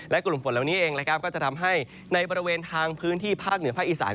และกลุ่มฝนเหล่านี้เองนะครับก็จะทำให้ในบริเวณทางพื้นที่ภาคเหนือภาคอีสาน